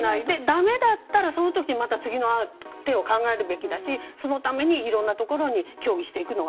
だめだったら次の手を考えるべきだしそのためにいろんなところに協議していく。